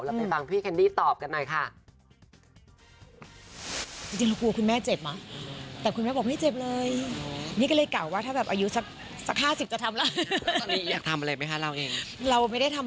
ไปฟังพี่แคนดี้ตอบกันหน่อยค่ะ